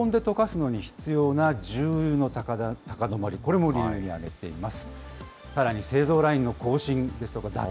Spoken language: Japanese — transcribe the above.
そしてガラスの原料を高温で溶かすのに必要な重油の高止まり、これも理由に挙げています。